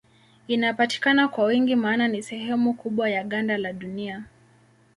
Inapatikana kwa wingi maana ni sehemu kubwa ya ganda la Dunia.